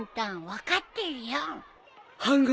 分かってるよ。